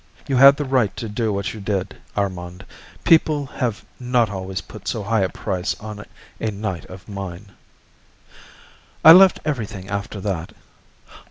You had the right to do what you did, Armand; people have not always put so high a price on a night of mine! I left everything after that.